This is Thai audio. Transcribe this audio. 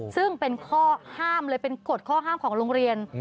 ซึ่งเป็นข้อห้ามเลยเป็นกฎข้อห้ามของโรงเรียน